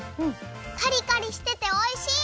カリカリしてておいしい！